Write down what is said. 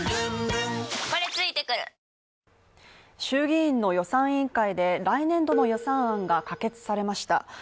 衆議院の予算委員会で、来年度の予算案が可決されました。